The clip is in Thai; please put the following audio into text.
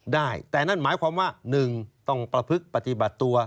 ได้แต่นั่นหมายความว่า๑ต้องประพฤกษ์ปฏิบัติตัว